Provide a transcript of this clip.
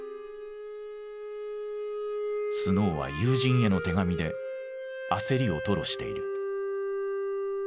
スノーは友人への手紙で焦りを吐露している。